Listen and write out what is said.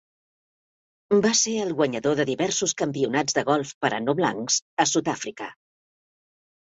Va ser el guanyador de diversos campionats de golf per a no blancs a Sud-àfrica.